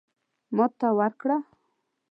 ماته ورکړه.